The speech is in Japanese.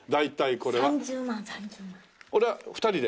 これは２人で？